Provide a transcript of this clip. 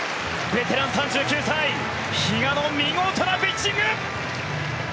ベテラン、３９歳、比嘉の見事なピッチング。